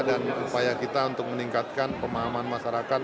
dan upaya kita untuk meningkatkan pemahaman masyarakat